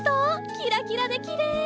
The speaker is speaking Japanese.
キラキラできれい！